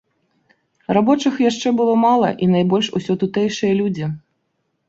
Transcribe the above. Рабочых яшчэ было мала і найбольш усё тутэйшыя людзі.